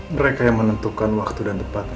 mereka yang menentukan waktu dan tepat